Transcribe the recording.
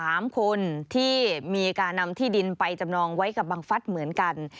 สามคนที่มีการนำที่ดินไปจำนองไว้กับบังฟัฐเหมือนกัน